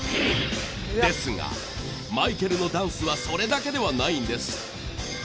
ですがマイケルのダンスはそれだけではないんです。